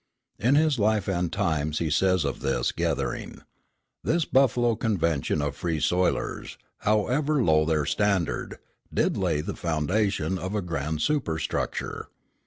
In his Life and Times he says of this gathering: "This Buffalo Convention of Free Soilers, however low their standard, did lay the foundation of a grand superstructure.